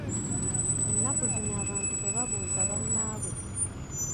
Ennaku zino abantu tebabuuza bannaabwe!